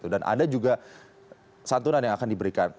dan ada juga santunan yang akan diberikan